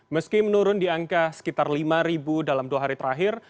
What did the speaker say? meski menurun di angka sekitar lima dalam dua hari terakhir